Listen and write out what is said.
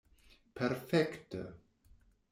Perfekte.